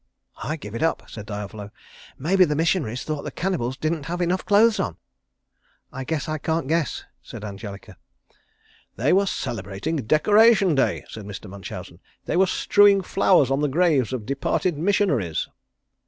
"I give it up," said Diavolo, "maybe the missionaries thought the cannibals didn't have enough clothes on." "I guess I can't guess," said Angelica. "They were celebrating Decoration Day," said Mr. Munchausen. "They were strewing flowers on the graves of departed missionaries."